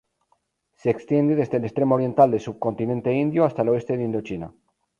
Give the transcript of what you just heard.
Se extiende desde el extremo oriental del subcontinente indio hasta el oeste de Indochina.